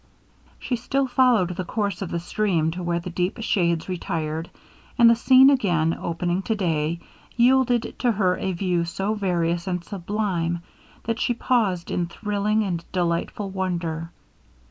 She still followed the course of the stream to where the deep shades retired, and the scene again opening to day, yielded to her a view so various and sublime, that she paused in thrilling and delightful wonder.